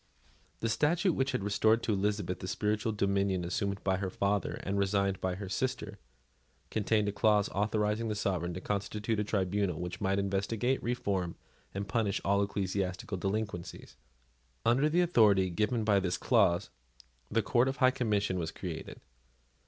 The statute, which restored to Elizabeth the spiritual dominion assumed by her father and resigned by her sister, contained a clause authorising the sovereign to constitute a tribunal which might investigate, reform, and punish all ecclesiastical delinquencies. Under the authority given by this clause, the Court of High Commission was created.